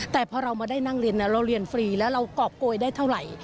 แต่พอเรามาได้นั่งเรียนเราเรียนฟรีแล้วเรากรอบโกยได้เท่าไหร่